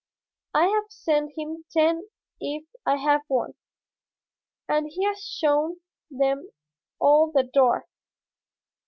I have sent him ten if I have one, and he has shown them all the door.